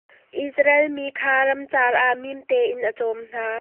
Israel mi kha ramcar ah mimte in a cawm hna.